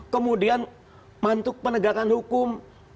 kemudian mantuk penegakan hukum